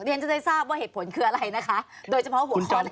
ฉันจะได้ทราบว่าเหตุผลคืออะไรนะคะโดยเฉพาะหัวจร